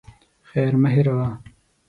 خير مه هېروه.